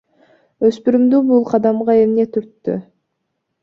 Өспүрүмдү бул кадамга эмне түрттү?